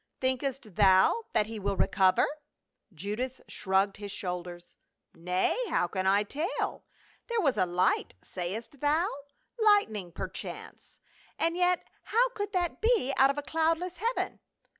"Thinkest thou that he will recover?" Judas shrugged his shoulders. " Nay, how can I tell ? There was a light, sayest thou ? Lightning perchance, and yet how could that be out of a cloud less heaven